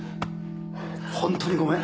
ホントにごめん。